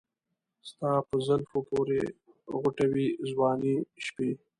ستا په زلفې پورې غوټه وې ځواني شپې